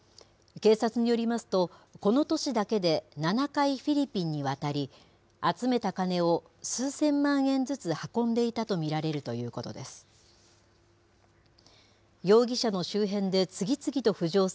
警察によりますと、この年だけで７回フィリピンに渡り、集めた金を数千万円ずつ運んでいたと見られるということです。